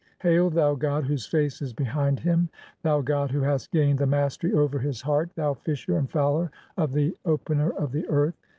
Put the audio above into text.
Hail, thou 'god whose face is behind "him', (25) thou 'god who hast gained the mastery over his "heart', thou fisher and fowler of the opener of the earth